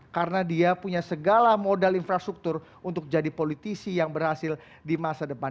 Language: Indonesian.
karena dia punya segala modal infrastruktur untuk jadi politisi yang berhasil di masa depan